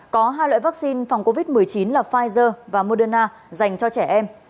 có hai loại vaccine phòng covid một mươi chín là pfizer và moderna dành cho trẻ em